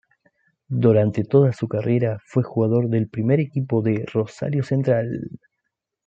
Durante toda su carrera fue jugador del primer equipo de Rosario Central.